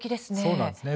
そうなんです。